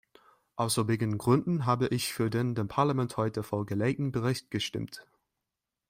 Aus obigen Gründen habe ich für den dem Parlament heute vorgelegten Bericht gestimmt.